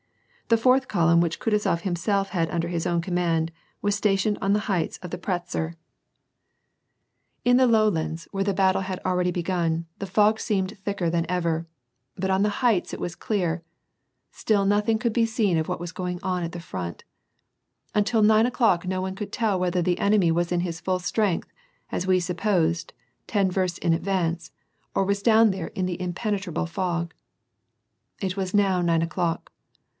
The fourth column which Kutuzof himself had under his own command, was stationed on the heights of the rratzer. I i 332 WAR AND PEACE. 4 In the lowlands, where the battle had already began, the fog seemed thicker than ever, but on the heights it was clear; still nothing could be seen of what was going on at the front Until nine o'clock no one could tell whether the enemy was in his full strength, as we supposed, ten versts in advance, or was down there in that impenetrable fog. It was now nine o'clock.